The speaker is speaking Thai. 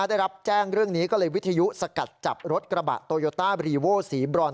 ได้รับแจ้งเรื่องนี้ก็เลยวิทยุสกัดจับรถกระบะโตโยต้าบรีโว้สีบรอน